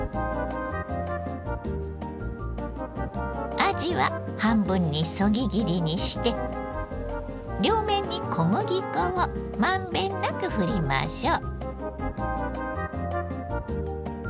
あじは半分にそぎ切りにして両面に小麦粉を満遍なくふりましょう。